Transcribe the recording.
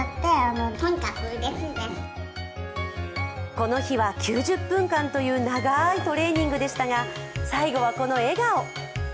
この日は９０分間という長いトレーニングでしたが最後はこの笑顔。